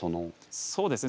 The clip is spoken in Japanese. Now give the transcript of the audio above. そうですね